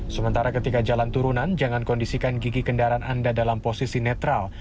sementara ketika jalan turunan jangan kondisikan gigi kendaraan anda dalam posisi netral